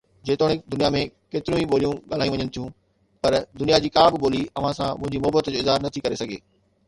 جيتوڻيڪ دنيا ۾ ڪيتريون ئي ٻوليون ڳالهايون وڃن ٿيون، پر دنيا جي ڪا به ٻولي اوهان سان منهنجي محبت جو اظهار نٿي ڪري سگهي.